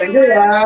terima kasih ya